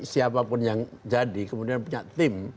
siapapun yang jadi kemudian punya tim